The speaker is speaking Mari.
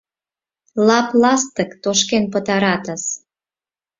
Лап-ластык тошкен пытаратыс.